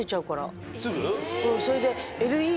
それで。